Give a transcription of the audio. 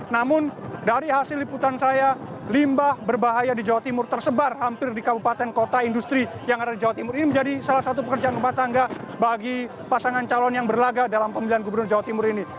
namun dari hasil liputan saya limbah berbahaya di jawa timur tersebar hampir di kabupaten kota industri yang ada di jawa timur ini menjadi salah satu pekerjaan rumah tangga bagi pasangan calon yang berlaga dalam pemilihan gubernur jawa timur ini